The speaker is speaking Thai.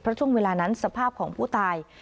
เพราะช่วงเวลานั้นสภาพของผู้ตาย